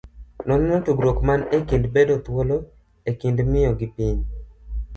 Noneno tudruok man e kind bedo thuolo e kind miyo gi piny.